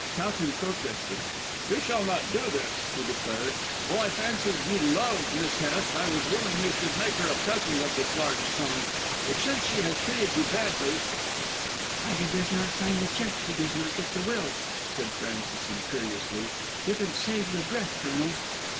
Towton protested. "You shall not do this," he declared. "While I fancied you loved Miss Hest, I was willing you should make her a present of this large sum. But since she has treated you badly " "If Ida does not sign the cheque she does not get the will," said Frances imperiously. "You can save your breath, Colonel."